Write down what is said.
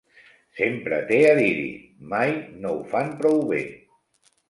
Sempre té a dir-hi, mai no ho fan prou bé!